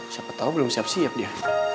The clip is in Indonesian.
siapa tahu belum siap siap dia